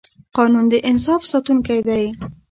قانون د انصاف ساتونکی دی